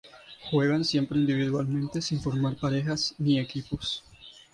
Juegan siempre individualmente sin formar parejas ni equipos.